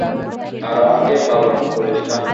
আর আমাকে বালক বলিস না।